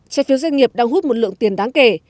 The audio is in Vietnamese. trái phiếu doanh nghiệp đang hút một lượng tiền đáng kể